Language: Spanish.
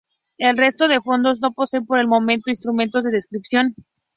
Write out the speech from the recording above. El resto de fondos no poseen por el momento instrumentos de descripción.